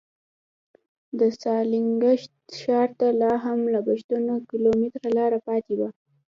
د ستالینګراډ ښار ته لا هم لسګونه کیلومتره لاره پاتې وه